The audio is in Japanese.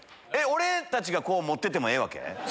俺たちが持っててもええわけ？